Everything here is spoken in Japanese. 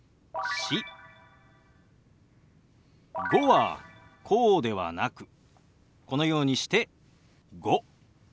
「５」はこうではなくこのようにして「５」。